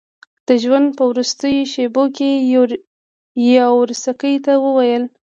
د ژوند په وروستیو شېبو کې یاورسکي ته وویل.